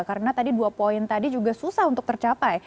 karena tadi dua poin tadi juga susah untuk tercapai